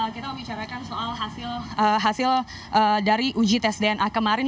kita membicarakan soal hasil dari uji tes dna kemarin